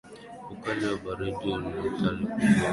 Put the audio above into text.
Ukali wa baridi una athari kubwa juu ya maisha yote